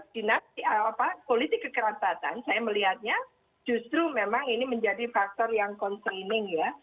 dan dengan politik kekerabatan saya melihatnya justru memang ini menjadi faktor yang concerning ya